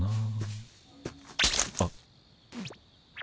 あっ。